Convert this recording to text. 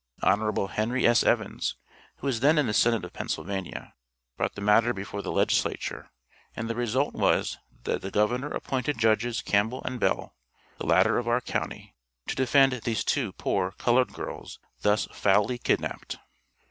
Hon. Henry S. Evans, who was then in the Senate of Pennsylvania, brought the matter before the Legislature, and the result was that the Governor appointed Judges Campbell and Bell, the latter of our county, to defend these two poor colored girls thus foully kidnapped.